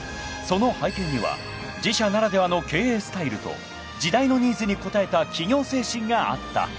［その背景には自社ならではの経営スタイルと時代のニーズに応えた企業精神があった］